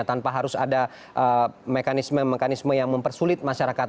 tanpa harus ada mekanisme mekanisme yang mempersulit masyarakat